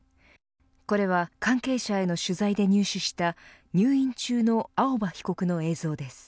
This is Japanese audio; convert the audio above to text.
これは関係者への取材で入手した入院中の青葉被告の映像です。